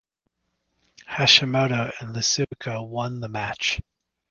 Hashimoto and Iizuka won the match.